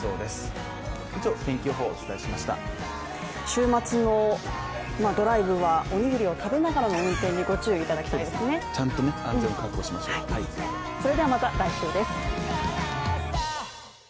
週末のドライブはおにぎりを食べながらの運転にご注意いただきたいですね。